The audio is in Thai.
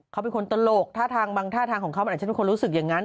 เขาเป็นคนตลกท่าทางบางท่าทางของเขามันอาจจะเป็นคนรู้สึกอย่างนั้น